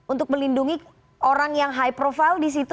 untuk melindungi orang yang high profile disitu